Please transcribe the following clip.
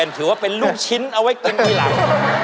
ถือว่าเป็นลูกชิ้นเอาไว้กินทีหลัง